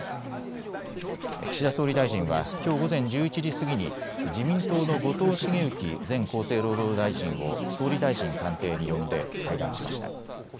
岸田総理大臣はきょう午前１１時過ぎに自民党の後藤茂之前厚生労働大臣を総理大臣官邸に呼んで会談しました。